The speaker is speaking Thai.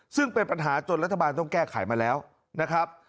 ซึ่งเป็นปัญหาจนรัฐบาลต้องแก้ไขมาแล้วนะครับ